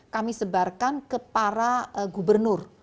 kami sebarkan ke para gubernur